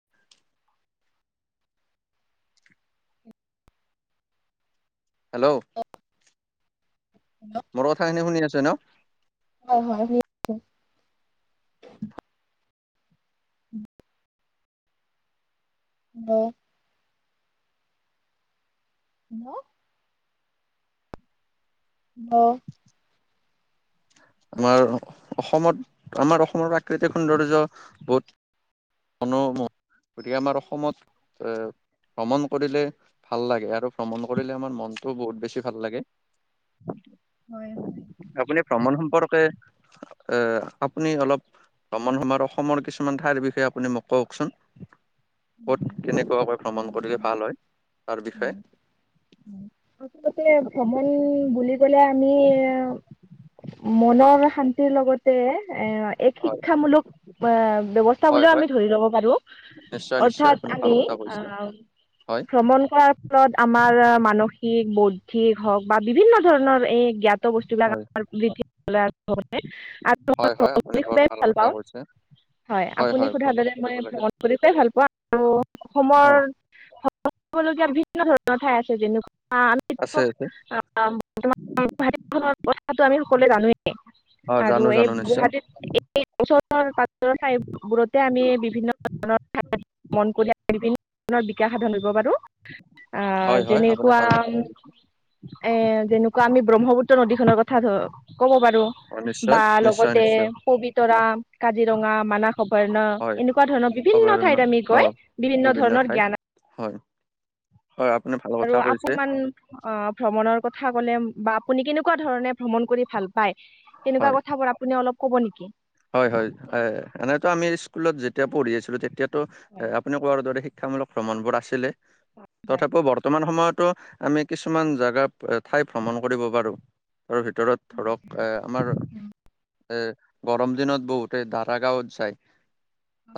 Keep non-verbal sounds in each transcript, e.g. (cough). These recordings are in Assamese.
(inaudible) হেল্ল' হয় মোৰ কথাখিনি শুনি আছে ন হয় হয় অঁ (unintelligible) অ আমাৰ অসমত আমাৰ অসমৰ প্ৰাকৃতিক সৌন্দৰ্য বহুত গতিকে আমাৰ অসমত এ ভ্ৰমণ কৰিলে ভাল লাগে আৰু ভ্ৰমণ কৰিলে আমাৰ মনটোও বহুত বেছি ভাল লাগে হয় হয় আপুনি ভ্ৰমণ সম্পৰ্কে এ আপুনি অলপ ভ্ৰমণ সময়ৰ অসমৰ কিছুমান ঠাইৰ বিষয়ে আপুনি মোক কওঁকচোন ক'ত কেনেকুৱাকৈ ভ্ৰমণ কৰিলে অম, ভাল হয় তাৰ বিষয়ে হয় আচলতে ভ্ৰমণ বুলি আমি মনৰ শান্তিৰ লগতে এ এক হয়, শিক্ষামূলক এ ব্যৱস্থা হয়, বুলিও হয়, আমি ধৰি লব পাৰো নিশ্চয় নিশ্চয় আপুনি অৰ্থাৎ ভাল আমি কথা কৈছে। আহ হয়, ভ্ৰমণ কৰা আমাৰ মানসিক বৌদ্ধিক হওক বা বিভিন্ন ধৰণৰ এই জ্ঞা বস্তুবিলাক হয়, আমাৰ বৃদ্ধি মই হয় হয় ভ্ৰমণ আপুনি কৰি বহুত খুবেই ভাল পাওঁ কথা কৈছে। হয় আপুনি সোধাৰ ভ্ৰমণ দৰে কৰিব মই লাগে। ভ্ৰমণ কৰি পাই ভাল পোৱা (inaudible) অসমৰ হয়, ভ্ৰমণ কৰিব লগীয়া বিভিন্ন ধৰণৰ ঠাই আছে যেনেকুৱা আমিটো আছে। কথাটো আমি সকলোৱে জানোৱেই। অ আৰু জানো এই জানো নিশ্চয় গুৱাহাটীত (unintelligible) আমি বিভিন্ন ধৰণৰ মন কৰি বিভিন্ন ধৰণৰ বিকাশ সাধন কৰিব পাৰোঁ। আ হয় হয় আপুনি যেনেকুৱা ভাল কথা এ যেনেকুৱা আমি ব্ৰহ্মপুত্ৰ নদীখনৰ কথা ধ কব পাৰো। অ নিশ্চয় বা নিশ্চয় লগতে নিশ্চয় পবিতৰা কাজিৰঙা মানাস অভ্যৰাণ্য হয় এনেকুৱা ধৰণৰ বিভিন্ন অভয়াৰণ্যৰ ঠাইত আমি অ গৈ বিভিন্ন ধৰণৰ জ্ঞান হয় হয় আপুনি ভাল আৰু কথা কৈছে আপমান অ ভ্ৰমণৰ কথা কলে বা আপুনি কেনেকুৱা ধৰণে ভ্ৰমণ কৰি ভাল পায় তেনেকুৱা হয় কথাবোৰ আপুনি অলপ কব নেকি হয় হয় এনেইতো আমি স্কুলত যেতিয়া পঢ়ি আছিলোঁ তেতিয়া হয় আপুনি কোৱাৰ দৰে শিক্ষামূলক ভ্ৰমণবোৰ আছিলে হয় তথাপিও বৰ্তমান সময়ত ত আমি কিছুমান জেগা ঠাই ভ্ৰমণ কৰিব পাৰো। তাৰ ভিতৰত ধৰক এ আমাৰ এ গৰম দিনত বহুতে ডাৰা গাঁৱত যায়।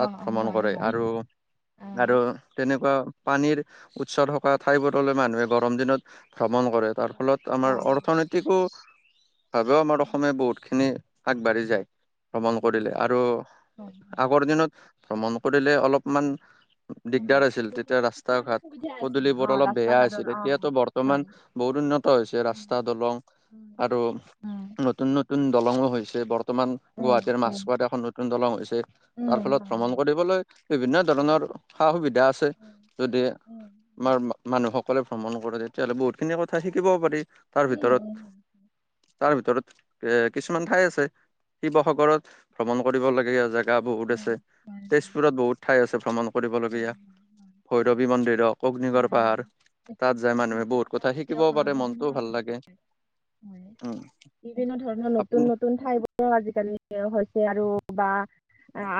অ' অ' ভ্ৰমণ হয় কৰে হয় আৰু অ' হয় আৰু তেনেকুৱা পানীৰ উৎসাহ থকা ঠাইবোৰলৈ মানুহে গৰম দিনত ভ্ৰমণ কৰে হয়। তাৰ ফলত আমাৰ অৰ হয় অৰ্থনৈতিকো ভাৱেও আমাৰ অসমে বহুতখিনি আগবাঢ়ি যায়। ভ্ৰমণ কৰিলে, আৰু হয় হয় হয় আগৰ দিনত ভ্ৰমণ কৰিলে অলপমান দিগদাৰ অ' আছিল। বহুতো তেতিয়া ৰাস্তা কিছুমান ঘাট অসুবিধা আছিল পদূলিবোৰ অ' অলপ ৰাস্তা বেয়া ঘাটৰ আছিল, অ' এতিয়াতো হয় বৰ্তমান বহুত উন্নত হৈছে, উম ৰাস্তা, দলং উম আৰু উম নতুন নতুন দলংও হৈছে বৰ তমান উম গুৱাহাটীৰ উম মাছখোৱাত এখন নতুন দলং হৈছে। তাৰ উম ফলত হয় ভ্ৰমণ হয় কৰিবলৈ বিভিন্ন উম ধৰণৰ সা সুবিধা আছে উম যদি উম আমাৰ মানুহসকলে ভ্ৰমণ কৰে তেতিয়াহ'লে বহুতখিনি কথা শিকিব পাৰি, তাৰ উম উম ভিতৰত তাৰ উম ভিতৰত এ, কিছুমান ঠাই আছে। শিৱসাগৰত ভ্ৰমণ কৰিবলগীয়া জা গা বহুত উম আছে। হয় তেজপুৰত বহুত ঠাই আছে ভ্ৰমণ কৰিবলগীয়া, হয় হয় হয় ভৈৰৱী মন্দিৰ, অ-অগ্নিগড় হয়, হয়। পাহাৰ। তাত ঐতিহ্য- যায় মানুহে ঐতিহ্যৰে বহুত পৰা কথা চলি শিকিবও পাৰে, মনটোও ভাল লাগে। উ, উম। বিভিন্ন ধৰণৰ নতুন আপুনি নতুন ঠাইবোৰো আজিকালি হৈছে আৰু বা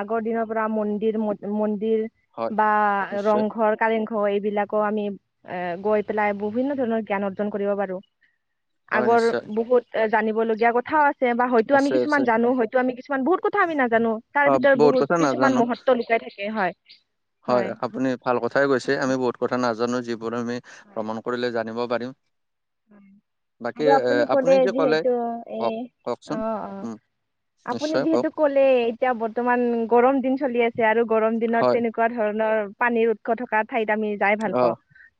আগৰ দিনৰ ৰাম মন্দিৰ, ম-মন্দিৰ হয় বা নিশ্চয় ৰংঘৰ কাৰেংঘৰ এইবিলাকো আমি এ, গৈ পেলাই বিভিন্ন ধৰণৰ জ্ঞান অৰ্জন কৰিব পাৰোঁ। হয় আগৰ নিশ্চয় বহুত জানিবলগীয়া কথাও আ চে বা হয়তো আমি আছে আছে কিছুমান জানো, হয়তো আমি কিছুমান, বহুত কথা আমি নাজানো তাৰ অ ভিতৰত বহুত কথা কিছুমান নাজানো। মহত্ব কাই থাকে, হয়। হয় আপুনি ভাল কথাই কৈছে, আমি বহুত কথা নাজানো যি বোৰ আমি ভ্ৰমণ হয়। কৰিলে জানিব পাৰিম। বাকী আৰু এ আপুনি ক'লে যে যিহেতু এ, কওক কওকচোন অ', অ'। উম। আপুনি নিশ্চয় কওক। যিহেতু ক'লেই এতিয়া বৰ্তমান গৰম দিন চলি আছে আৰু গৰম দিনত হয়, তেনে কুৱা ধৰণৰ পানীৰ উৎস থকা ঠাইত আমি যাই ভাল অ, পাওঁ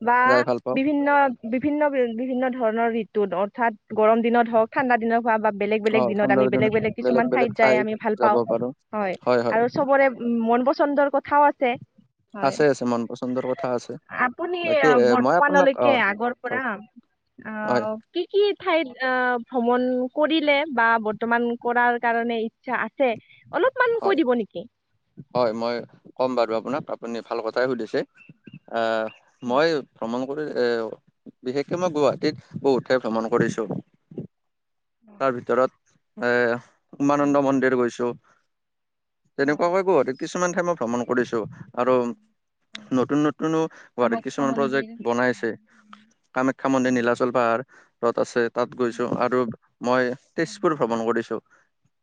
বা যাই ভাল পাওঁ। বিভিন্ন বিভিন্ন বি-বিভিন্ন ধৰণৰ ঋতুত অৰ্থাৎ গৰম দিনত হওক, ঠাণ্ডা দিনত খোৱা বা বেলেগ অ, বেলেগ দিনত আমি ঠাণ্ডাৰ বেলেগ বেলেগ কিছুমান বেলেগ ঠাইত যাই ঠাই আমি ভাল যাব পাওঁ। পাৰো। হয়, আৰু চবৰে উ, মন পচন্দৰ কথাও আছে। হয় আছে আছে মন পচন্দৰ কথা আছে। আপুনি বাকী এ, মই আপোনাক বৰ্তমানলৈকে অ' আগৰ কক। পৰা হয়। আহ কি কি ঠাইত অ' ভ্ৰমণ কৰিলে বা বৰ্তমান কৰাৰ কাৰণে চ্ছা আছে অলপমান হয়, কৈ দিব নেকি। হয় মই ক'ম বাৰু আপোনাক, আপুনি ভাল কথাই সুধিছে, মই ভ্ৰমণ কৰি এ, বিশেষকে মই গুৱাহাটীত বহুত ঠাই ভ্ৰমণ কৰিছোঁ। তাৰ ভিতৰত এ, উমানন্দ মন্দিৰ গৈছোঁ। তেনেকুৱাকৈ গুৱাহাটীত কিছুমান ঠাই মই ভ্ৰমণ ফুৰিছোঁ আৰু নতুন নতুনো গুৱাহাটীত কিছুমান প্ৰজেক্ট বনাই আছে। কামাখ্যা মন্দিৰ, নীলাচল পাহাৰ য'ত আছে তাত গৈছোঁ আৰু মই তেজপুৰ ভ্ৰমণ কৰিছোঁ।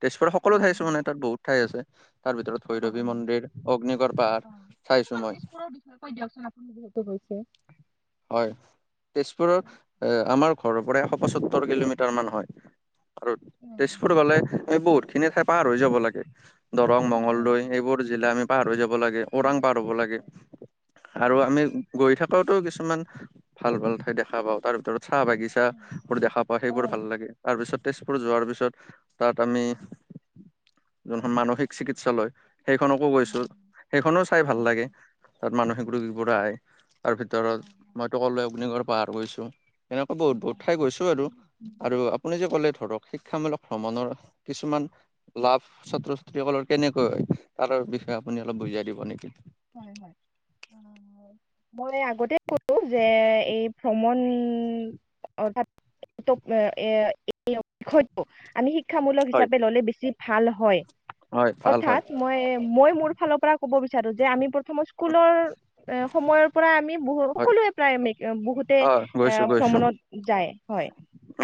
তেজপুৰত সকলো ঠাই চোৱা নাই, তাত বহুত ঠাই আছে। তাৰ ভিতৰত ভৈৰৱী মন্দিৰ, অগ্নিগড় পাহাৰ চাইছোঁ মই। যিহেতু (inaudible) হয়। তেজপুৰৰ এ, আমাৰ ঘৰৰপৰা এশ পছত্তৰ কিলোমিটাৰ মান হয়। (unintelligible) তেজপুৰ গ'লে আমি বহুতখিনি ঠাই পাৰ হৈ যাব লাগে। দৰং, মঙগলদৈ, সেইবোৰ জিলা আমি পাৰ হৈ যাব লাগে। ওৰাং পাৰ হ'ব লাগে আৰু আমি গৈ থাক (unintelligible) কিছুমান ভাল ভাল ঠাই দেখা পাওঁ। তাৰ ভিতৰত চাহ-বাগিচা বোৰ দেখা পাওঁ, সেইবোৰ ভাল লাগে। তাৰপিছত তেজপুৰ যোৱাৰ পিছত, তাত আমি যোনখন মান মানসিক চিকিৎসালয়, সেইখনতো গৈছোঁ। সেইখনো চাই ভাল লাগে। তাত মানসিক ৰোগীবোৰে। তাৰ ভিতৰত মইতো ক'লোৱেই অগ্নিগড়ৰ পাহাৰ গৈছোঁ। এনেকুৱা বহুত-বহুত ঠাই গৈছোঁ আৰু। আৰু আ সেই ধৰক, শিক্ষামূলক ভ্ৰমণৰ কিছুমান। লাভ ছাত্ৰ-ছাত্ৰীসকলৰ কেনেকৈ হয়। তাৰ বিষয়ে আপুনি অলপ বুজাই দিব নেকি? হয়, হয়। মই আগতে ক'লো যে, এই ভ্ৰমণ। অৰ্থাৎ তো এ বিষয়টো আমি শিক্ষামূলক হয় হিচাপে ল'লে বেছি ভাল হয়। হয় ভাল হয় অৰ্থাৎ মই, মই মোৰ ফালৰপৰা কব বিচাৰোঁ যে আমি প্ৰথমত। স্কুলৰ এ সময়ৰ পৰা আমি বহু হয় সকলোৱে প্ৰায় মে বহুতে। হয় এ, গৈছোঁ, গৈছোঁ। ভ্ৰমণত যায়, হয়।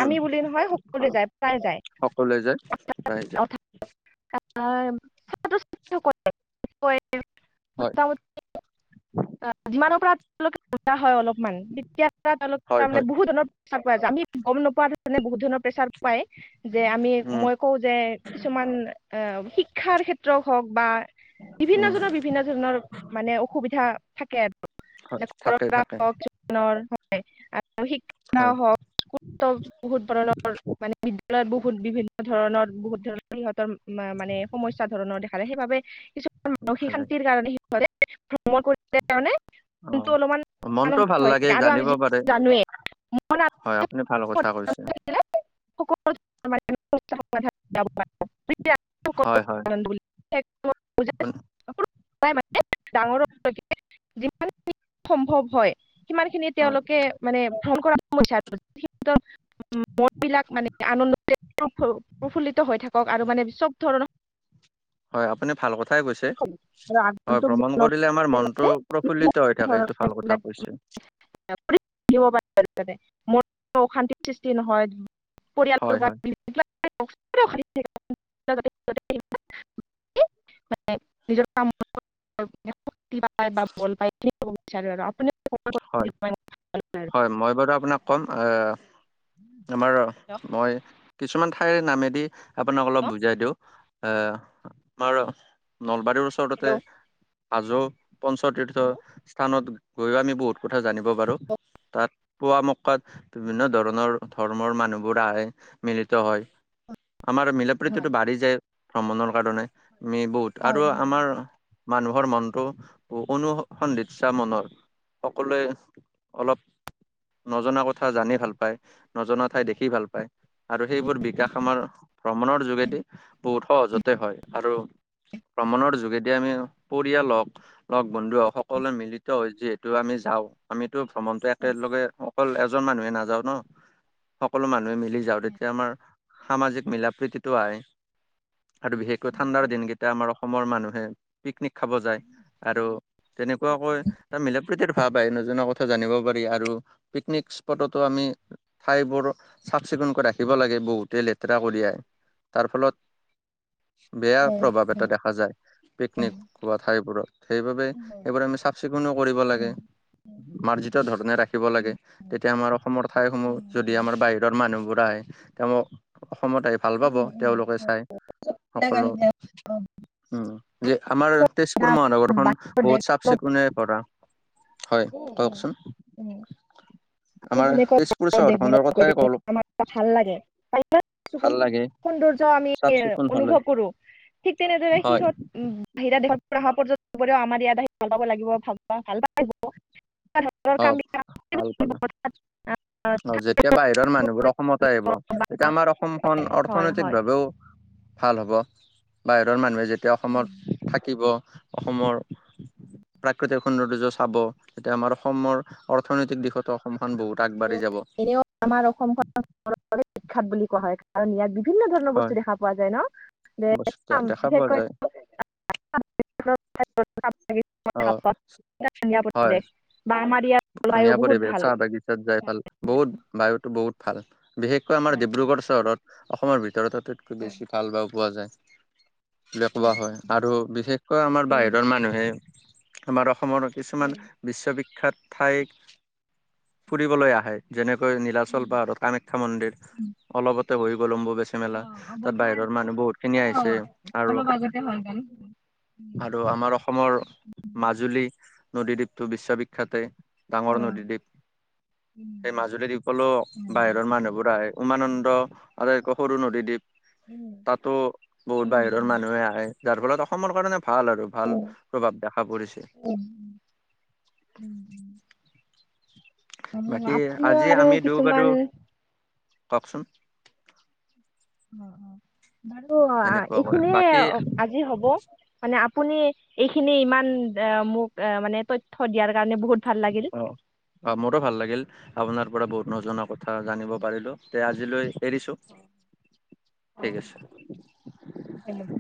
আমি বুলি নহয় সকলোৱে যায়, প্ৰায় যায়। সকলোৱে যায় অৰ্থাৎ প্ৰায় যায় অৰ্থাৎ। আমাৰ ছাত্ৰ-ছাত্ৰীসকলে কয় যে। হয় মোটামুটি, আ যিমানৰপৰা লৈকে হয় অলপ। মান, তেতিয়াৰ পৰা তেওঁ লোক হয় তাৰমানে হয় বহুত ধৰণৰ। আগুৱাই যাম আমি গম নোপোৱা ধৰণে বহুত ধৰণৰ প্ৰেছাৰ পায়, যে আমি উম মই। কওঁ যে, কিছুমান এ শিক্ষাৰ ক্ষেত্ৰ হওঁক বা উম বিভিন্নজনৰ বিভি বিভিন্ন ধৰণৰ মানে অসুবিধা থাকে আৰু। হয় এতিয়া ঘৰৰ থাকে পৰা থাকে হওঁক। ধৰণৰ হয়। আৰু হয় শিক্ষাও হওঁক। বহুতো বহুত ধৰণৰ মানে বিদ্যালয়ত বহুত বিভি ধৰণৰ বহুত ধৰণৰ সিহঁতৰ মানে সমস্যা ধৰণৰ দেখা যায়। সেইবাবে কিছুমান মানসিক দেখা শান্তি যায় সেইকাৰণে সেই হৈছে মই কৈছোঁ যে কাৰণে, কিন্তু অলপমান অ মনটো আনন্দ ভাল হৈ লাগে থাকে আৰু আমি জানিব যিটো পাৰে জানোৱেই। হয়, আপুনি ভাল কথা কৈছে। (unintelligible) বহুত কাৰণ বুলি হয় হয় সেইটো আপুনি বুজাত হয় মানে ডাঙৰক লৈকে যিমানখিনি সম্ভৱ হয়। সিমান খিনি হয় তেওঁলোকে মানে ভুল কৰা সমস্যা সিহঁতৰ। মনবিলাক মানে আনন্দতে প্ৰফ প্ৰফুল্লিত হৈ থাকক আৰু মানে চব ধৰণৰ। হয়, আপুনি ভাল কথাই কৈছে। আৰু হয়, আগন্তুক ভ্ৰমণ জীৱনলৈ কৰিলে আমাৰ মনটো সিহঁতে বিভিন্ন প্ৰফুল্লিত হৈ থাকে। এইটো ভাল কথা কৈছে। ফ্ৰীত থাকিব পাৰে মনটো অশান্তিৰ সৃষ্টি নহয়। পৰিয়ালটোৰ হয় হয় বাবে (unintelligible) মানে, নিজৰ কাম শক্তি পায় বা বল পায়। বিচাৰে আৰু আপুনি হয় (unintelligible) হয় মই বাৰু আপোনাক কম এহ আমাৰ মই কিছুমান ঠাই নামেদি আপোনাক অলপ বুজাই দিওঁ আহ। আমাৰ নলবাৰীৰ ওচৰ ওচৰতে হাজৌ পঞ্চতীৰ্থ স্থানত গৈ আমি বহুত। কথা জানিব পাৰোঁ তাত খোৱা মক্কা বিভিন্ন ধৰণৰ ধৰ্মৰ মানুহবোৰ আহে, মিলিত হয়। আমাৰ মিলা-প্ৰীতিটো বাঢ়ি যায় ভ্ৰমণৰ কাৰণে আমি বহুত আৰু হয় হয় আমাৰ। মানুহৰ মনটো অনুসন্ধিৎসা মনৰ। সকলোৱে অলপ নজনা কথা জানি ভাল পায়। নজনা ঠাই দেখি ভাল পায়। আৰু সেইবোৰ বিকাশ আমাৰ ভ্ৰমণৰ যোগেদি বহুত সহজতে হয় আৰু ভ্ৰমণৰ যোগেদি আমি পৰিয়াল লগ বন্ধু সকলোৱে মিলিত হৈ যিহে টো আমি যাওঁ আমিতো ভ্ৰমণতো একেলগে অকল এজন মানুহে নাযাও ন সকলো মানুহে মিলি যাও তেতিয়া আমাৰ সামাজিক মিলা প্ৰীতিটো আহে আৰু বিশেষকৈ ঠাণ্ডাৰ দিনকেইটা আমাৰ অসমৰ মানুহে পিকনিক খাব যায় আৰু তেনেকুৱা হয় তাৰ মিলা প্ৰীতিৰ ভাৱ আহে নজনা কথা জানিব পাৰি আৰু পিকনিক স্পটতো আমি ঠাইবোৰ চাফ চিকুণকৈ ৰাখিব লাগে বহুতে লেতেৰা কৰি আহে তাৰ ফলত বেয়া প্ৰভাৱ এটা দেখা যায় পিকনিক হোৱা ঠাইবোৰত সেইবাবে এইবোৰ আমি চাফ চিকুনো কৰিব লাগ তে মাৰ্জিত ধৰণে ৰাখিব লাগে তেতিয়া আমাৰ অসমৰ ঠাইসমূহ যদি আমাৰ বাহিৰত ৰ মানুহবোৰ আহে তেওঁলোক অসমত আহি ভাল পাব উম উম তেওঁলোকে চাই বিলাক সকলো আহিলে উম যে আমাৰ তেজপুৰ মহানগৰখন বহুত চাফ চিকুণেৰে ভৰা হয় উম উম কওকচোন উম আমি আমাৰ যেনেকুৱা তেজপুৰ চহৰখনৰ কথাই কল (unintelligible) ভাল লাগে ভাল লাগে সৌন্দৰ্য আমি চাফ চিকুণ হলে অনুভৱ কৰো ঠিক তেনেদৰে হয় সিহঁত উ বাহিৰা দেশৰ পৰা পৰ্যটনকেও আমাৰ ইয়াত আহি (unintelligible) লাগিব ভাল ভাল পা অ ভাল পালে (unintelligible) অ যেতিয়া বাহিৰৰ মানুহবোৰ অসমত আহিব তেতিয়া আমাৰ অসমখন হয় অৰ্থনৈতিক হয় ভাৱেও ভাল হব বাহিৰৰ মানুহে যেতিয়া অসমত থাকিব অসমৰ প্ৰাকৃতিক সৌন্দৰ্য চাব তেতিয়া আমাৰ অসমৰ অৰ্থনৈতিক দিশতো অসমখন বহুত আগবাঢ়ি যাব এনেও আমাৰ অসমখন (unintelligible) বিখ্যাত বুলি কোৱা হয় কাৰণ ইয়াত বিভিন্ন ধৰণৰ হয় বস্তু দেখা পোৱা যায় ন বস্তু (unintelligible) দেখা পোৱা বিশেষকৈ যায় (unintelligible) অ হয় (unintelligible) বা আমাৰ ইয়াত জলবায়ু ধুনীয়া বহুত পৰিৱেশ ভাল চাহ বাগিচাত যাই ভাল বহুত বায়ুতো বহুত ভাল বিশেষকৈ আমাৰ ডিব্ৰুগড় চহৰত অসমৰ ভিতৰত আটাইতকৈ বেছি ভাল বা পোৱা যায় বুলি কৱা উম হয় আৰু বিশেষকৈ আমাৰ বাহিৰৰ মানুহে আমাৰ অসমৰ কিছুমান উম বিশ্ববিখ্যাত ঠাইত ফুৰিবলৈ আহে যেনেকৈ নীলাচল উম পাহাৰত কামাখ্যা মন্দিৰ অলপতে হৈ গ'ল অম্বুবাচি মেলা অ', তাত বাহিৰৰ বৰ্তমানতো মানুহ বহুত খিনি আহিছে অ', আৰু অলপ আগতে হৈ গ'ল। উম, আৰু আমাৰ অসমৰ মাজুলী নদীদ্বীপটো বিশ্ববিখ্যাতে ডাঙৰ অ', নদীদ্বীপ উম, সেই মাজুলী দ্বীপলৈও উম, বাহিৰৰ মানুহবোৰ আহে উমানন্দ উম, আৰু একো সৰু নদী দ্বীপ উম। তাতো বহুত উম, বাহিৰৰ উম, মানুহে আহে যাৰ ফলত অসমৰ কাৰণে ভাল আৰু ভাল প্ৰভাৱ দেখা পৰিছে। উম, উম অ', বাকী আপুনিও আজি আৰু আমি দু বাৰু কিছুমান ককচোন। অ', অ', বাৰু আ সেনেকুৱা কৰা এইখিনিয়ে বাকী আজি হ'ব। মানে আপুনি এইখিনি ইমান আ মোক মানে তথ্য দিয়াৰ কাৰণে বহুত ভাল লাগিল। অ', অ', মোৰো ভাল লাগিল। আপোনাৰ পৰা বহুত নজনা কথা জানিব পাৰিলো আজিলৈ এৰিছো। অ ঠিক আছে উম